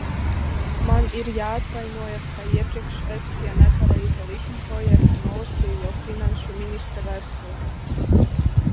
Man ir jāatvainojas, ka iepriekš es pie nepareizā likumprojekta nolasīju jau finanšu ministra vēstuli.